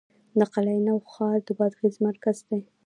د قلعه نو ښار د بادغیس مرکز دی